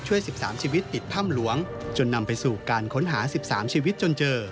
ช่วย๑๓ชีวิตติดถ้ำหลวงจนนำไปสู่การค้นหา๑๓ชีวิตจนเจอ